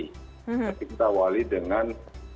tapi kita awali dengan